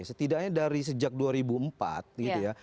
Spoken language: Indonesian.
setidaknya dari sejak dua ribu empat gitu ya